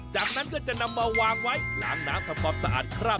จากนั้นก็จะนำมาวางไว้ล้างน้ำทำความสะอาดครับ